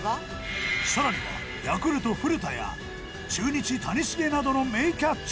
更にはヤクルト古田や中日谷繁などの名キャッチャー。